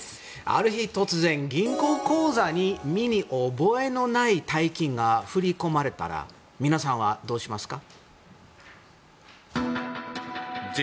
ある日、突然銀行口座に身に覚えのない大金が振り込まれたら皆さんは、どうしますか？